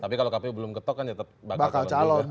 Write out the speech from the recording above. tapi kalau kpu belum ketok kan bakal calon